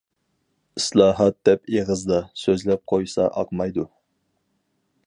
ئىسلاھات دەپ ئېغىزدا، سۆزلەپ قويسا ئاقمايدۇ.